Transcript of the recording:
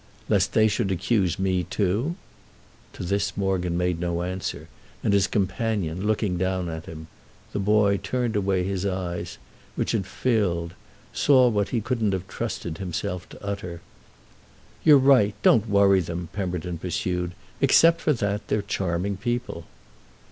"Lest they should accuse me, too?" To this Morgan made no answer, and his companion, looking down at him—the boy turned away his eyes, which had filled—saw what he couldn't have trusted himself to utter. "You're right. Don't worry them," Pemberton pursued. "Except for that, they are charming people."